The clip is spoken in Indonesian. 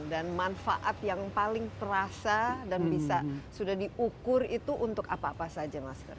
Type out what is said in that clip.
dan manfaat yang paling terasa dan bisa sudah diukur itu untuk apa apa saja master